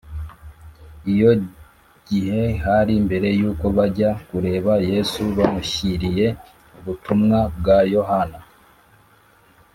iyo gihe hari mbere yuko bajya kureba yesu bamushyiriye ubutumwa bwa yohana